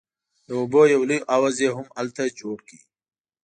د اوبو یو لوی حوض یې هم هلته جوړ کړ.